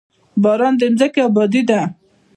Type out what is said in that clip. باران د ځمکې ابادي ده.